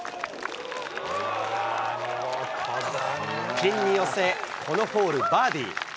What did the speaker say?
ピンに寄せ、このホール、バーディー。